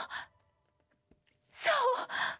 そう！